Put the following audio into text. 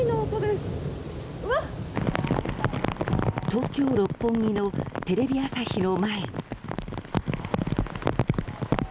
東京・六本木のテレビ朝日の前。